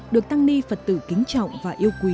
được tăng ni phật tử kính trọng và yêu quý